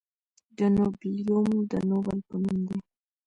د نوبلیوم د نوبل په نوم دی.